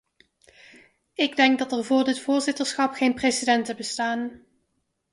Ik denk dat er vóór dit voorzitterschap geen precedenten bestaan.